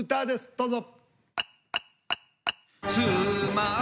どうぞ。